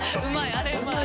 あれうまい。